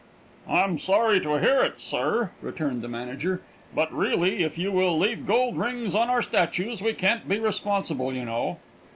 "I'm sorry to hear it, sir," returned the manager; "but really, if you will leave gold rings on our statues, we can't be responsible, you know."